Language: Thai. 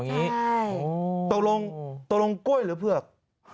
ใช่โอ้ตรงหรือเพือก